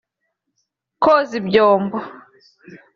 Koza ibyombo